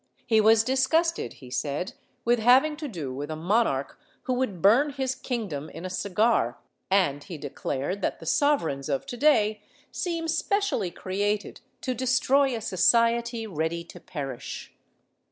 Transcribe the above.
He was disgusted, he said, with having to do with a monarch who would burn his kingdom in a cigar, and he declared that the sovereigns of today seem specially created to destroy a society ready to perish.